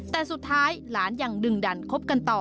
แต่สุดท้ายหลานยังดึงดันคบกันต่อ